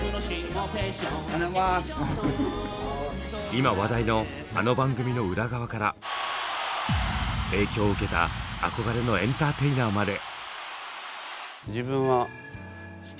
今話題のあの番組の裏側から影響を受けた憧れのエンターテイナーまで。